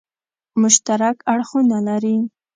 مشترک اړخونه لري.